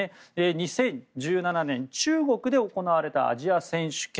２０１７年、中国で行われたアジア選手権。